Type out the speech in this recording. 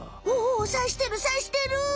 おおさしてるさしてる！